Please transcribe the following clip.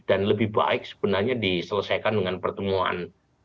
dan lebih baik sebenarnya diselesaikan dengan pertemuan